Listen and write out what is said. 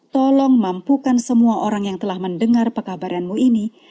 tolong mampukan semua orang yang telah mendengar pekabaranmu ini